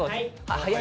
はい！